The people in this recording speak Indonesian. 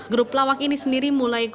grup lawak ini sendiri mulai